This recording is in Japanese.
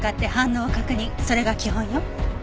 それが基本よ。